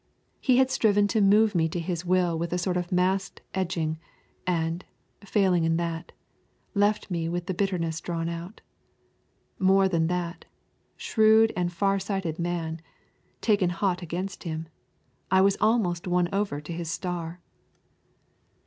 He had striven to move me to his will with a sort of masked edging, and, failing in that, left me with the bitterness drawn out. More than that, shrewd and far sighted man, taken hot against him, I was almost won over to his star.